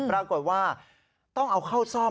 ปรากฏว่าต้องเอาเข้าซ่อม